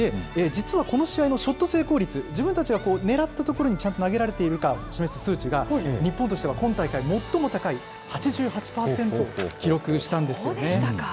実はこの試合のショット成功率、自分たちが狙った所にちゃんと投げられているかを示す数値が日本としては今大会最も高い８８％を記録したんですね。